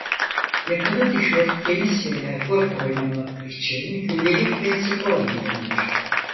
Yakalı tişört tenis veya golf oynamak için gündelik ve spor giyimdir.